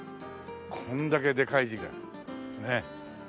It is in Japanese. これだけでかい字でねえ。